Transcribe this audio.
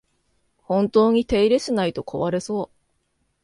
本当に手入れしないと壊れそう